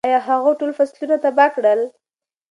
ایا هغه ټول فصلونه تباه کړل؟